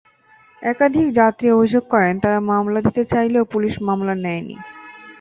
একাধিক যাত্রী অভিযোগ করেন, তাঁরা মামলা দিতে চাইলেও পুলিশ মামলা নেয়নি।